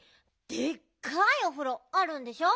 でっかいおふろあるんでしょ？